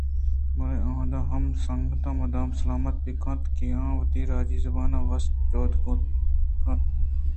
بلے ھُدا ھما سنگتاں مُدام سلامت بہ کنت کہ آ وتی راجی زبان ءِ واست ءَ جُھد کنگ ءَ اَنت۔